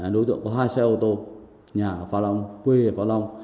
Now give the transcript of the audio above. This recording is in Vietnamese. đối tượng có hai xe ô tô nhà ở pha long quê ở pha long